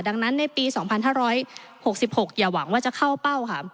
ดังนั้นในปี๒๕๖๖อย่าหวังว่าจะเข้าเป้าค่ะ